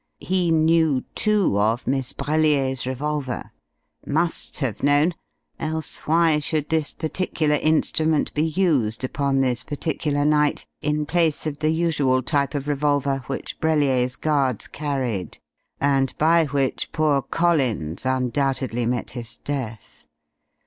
He knew, too, of Miss Brellier's revolver must have known, else why should this particular instrument be used upon this particular night, in place of the usual type of revolver which Brellier's guards carried, and by which poor Collins undoubtedly met his death?